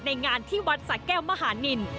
งานที่วัดสะแก้วมหานิน